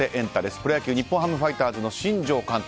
プロ野球日本ハムファイターズの新庄監督。